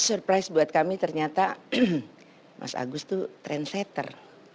surprise buat kami ternyata mas agus itu trendsetter